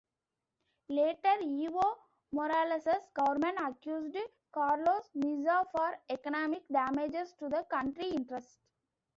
Later, Evo Morales's government accused Carlos Mesa for economic damages to the country interests.